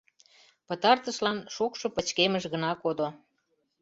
Пытартышлан шокшо пычкемыш гына кодо.